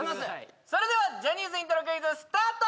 それではジャニーズイントロクイズスタート！